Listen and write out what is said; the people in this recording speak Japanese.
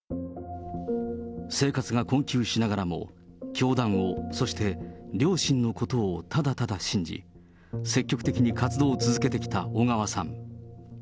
生活が困窮しながらも、教団を、そして両親のことをただただ信じ、積極的に活動を続けてきた小川さん。